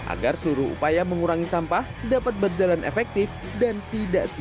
agar seluruh upaya mengurangi sampah dapat berjalan efektif dan tidak siap